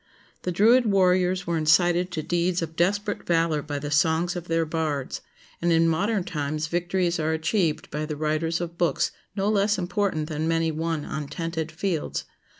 The Druid warriors were incited to deeds of desperate valor by the songs of their bards; and in modern times victories are achieved by the writers of books no less important than many won on tented fields.